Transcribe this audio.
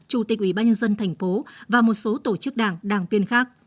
chủ tịch ubnd thành phố và một số tổ chức đảng đảng viên khác